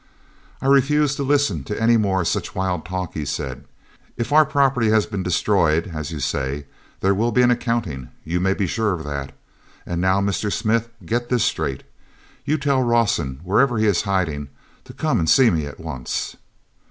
"I refuse to listen to any more such wild talk," he said. "If our property has been destroyed, as you say, there will be an accounting, you may be sure of that. And now, Mr. Smith, get this straight, you tell Rawson, wherever he is hiding, to come and see me at once."